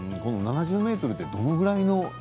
７０ｍってどのぐらいの？